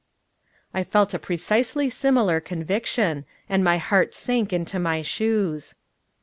I felt a precisely similar conviction, and my heart sank into my shoes.